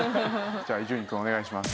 じゃあ伊集院くんお願いします。